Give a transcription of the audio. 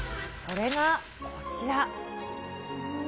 それがこちら。